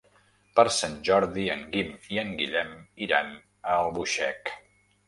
Per Sant Jordi en Guim i en Guillem iran a Albuixec.